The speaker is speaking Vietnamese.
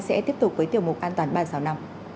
sẽ tiếp tục với tiểu mục an toàn ba trăm sáu mươi năm